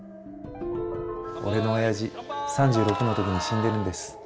俺のおやじ３６の時に死んでるんです。